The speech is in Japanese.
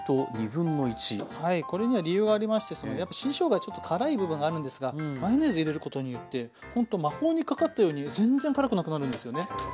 はいこれには理由がありましてやっぱ新しょうがちょっと辛い部分があるんですがマヨネーズ入れることによってほんと魔法にかかったように全然辛くなくなるんですよね。